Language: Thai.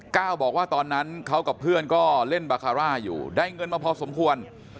ก้าวบอกว่าตอนนั้นเขากับเพื่อนก็เล่นบาคาร่าอยู่ได้เงินมาพอสมควร